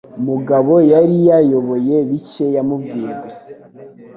Mugabo yari yayoboye bike yamubwiye gusa.